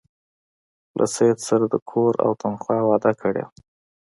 له سید سره د کور او تنخوا وعده کړې وه.